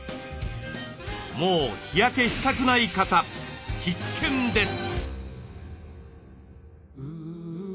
もう日焼けしたくない方必見です。